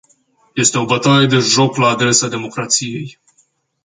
Este o bătaie de joc la adresa democrației!